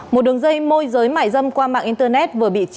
một đường dây môi giới mại dâm qua mạng internet vừa bị triệt phá